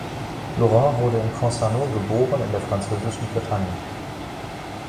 Laurent wurde in Concarneau geboren, in der französischen Bretagne.